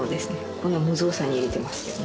こんな無造作に入れてますけどね。